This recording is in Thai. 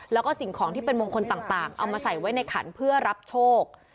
แล้วก็สิ่งของที่เป็นมงคลต่างเอามาใส่ไว้ในขันเพื่อรับโชค